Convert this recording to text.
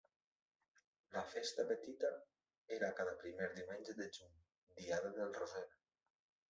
La festa petita era cada primer diumenge de juny, diada del Roser.